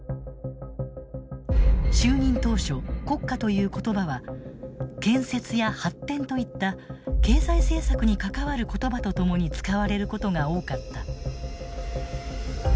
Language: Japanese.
就任当初「国家」という言葉は「建設」や「発展」といった経済政策に関わる言葉と共に使われることが多かった。